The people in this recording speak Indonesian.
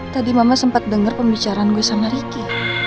tadi mama sempat dengar pembicaraan gue sama ricky